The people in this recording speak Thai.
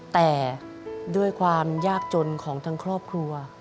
แต่ด้วยความยากจนของทั้งครอบครัว